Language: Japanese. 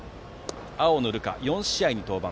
青野流果、４試合に登板。